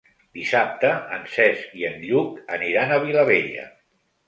Dissabte en Cesc i en Lluc aniran a Vilabella.